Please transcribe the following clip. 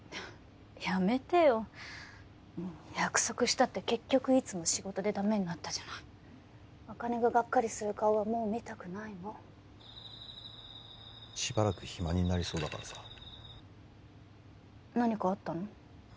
やめてよ約束したって結局いつも仕事でダメになったじゃない茜ががっかりする顔はもう見たくないのしばらく暇になりそうだからさ何かあったの？